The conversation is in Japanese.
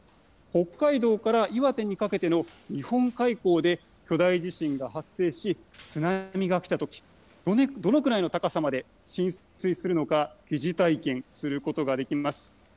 北海道から岩手にかけての日本海溝で巨大地震が発生し、津波が来たとき、どのくらいの高さまで浸水するのか、疑似体験することができます。